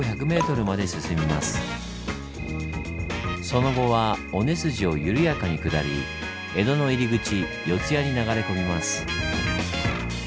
その後は尾根筋を緩やかに下り江戸の入り口四ツ谷に流れ込みます。